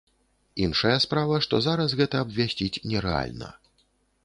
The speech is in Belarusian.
Іншая справа, што зараз гэта абвясціць нерэальна.